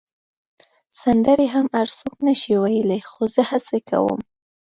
سندرې هم هر څوک نه شي ویلای، خو زه هڅه کوم.